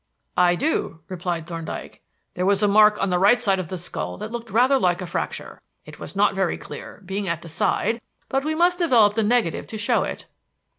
"I do," replied Thorndyke. "There was a mark on the right side of the skull that looked rather like a fracture. It was not very clear, being at the side, but we must develop the negative to show it."